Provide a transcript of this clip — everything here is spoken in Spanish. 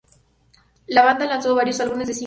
La banda lanzó varios álbumes y singles en Japón.